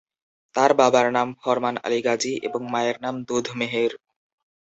তার বাবার নাম ফরমান আলী গাজী এবং মায়ের নাম দুধ মেহের।